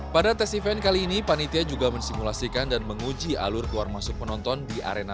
pada tes event kali ini panitia juga mensimulasikan dan menguji alur keluar masuk penonton di arena